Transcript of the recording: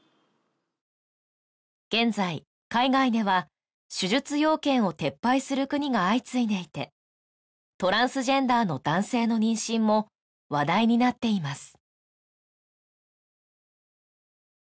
現在海外では手術要件を撤廃する国が相次いでいてトランスジェンダーの男性の妊娠も話題になっています